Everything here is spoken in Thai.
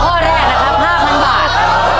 ถูกข้อแรกนะครับห้าพันบาท